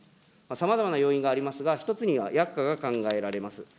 さまざまな要因がありますが、１つには薬価があります。